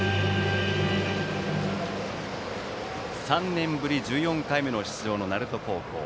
３年ぶり１４回目の出場の鳴門高校。